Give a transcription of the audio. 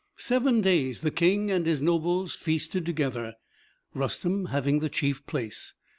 Seven days the King and his nobles feasted together, Rustem having the chief place.